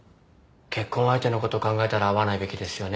結婚相手のこと考えたら会わないべきですよね。